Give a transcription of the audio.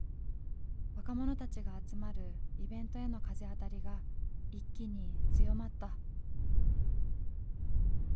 若者たちが集まるイベントへの風当たりが一気に強まった。